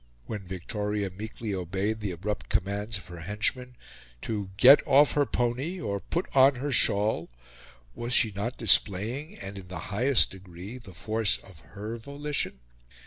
When Victoria meekly obeyed the abrupt commands of her henchman to get off her pony or put on her shawl, was she not displaying, and in the highest degree, the force of her volition?